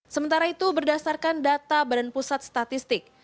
sementara itu berdasarkan data badan pusat statistik